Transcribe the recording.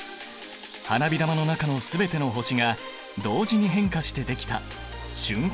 花火玉の中の全ての星が同時に変化して出来た瞬間の芸術だ！